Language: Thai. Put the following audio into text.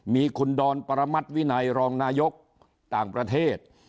มีคุณดอนปรมัติวินัยรองนายกต่างประเทศ